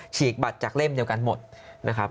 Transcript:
ฉีกบัตรจากเล่มเดียวกันหมดนะครับ